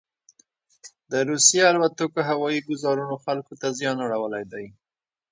دروسیې الوتکوهوایي ګوزارونوخلکو ته زیان اړولی دی.